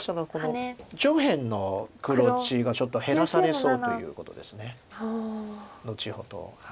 黒地がちょっと減らされそうということです後ほど。